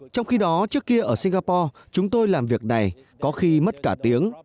trong khi đó trước kia ở singapore chúng tôi làm việc này có khi mất cả tiếng